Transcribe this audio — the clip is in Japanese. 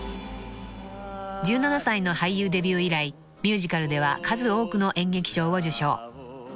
［１７歳の俳優デビュー以来ミュージカルでは数多くの演劇賞を受賞］